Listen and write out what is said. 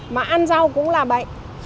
mà ăn rau cũng là bệnh